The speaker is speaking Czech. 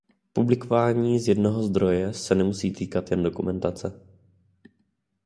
Publikování z jednoho zdroje se nemusí týkat jen dokumentace.